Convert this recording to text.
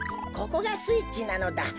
ここがスイッチなのだ。